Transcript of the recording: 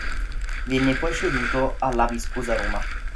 Viene poi ceduto alla Viscosa Roma.